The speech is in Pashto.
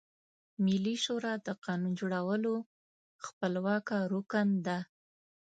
ملي شورا د قانون جوړولو خپلواکه رکن ده.